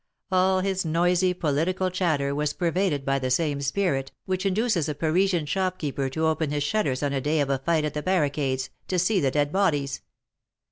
All his noisy, political chatter was pervaded by the same spirit, which induces a Parisian shop keeper to open his shutters on a day of a fight at the barricades, to see the dead bodies.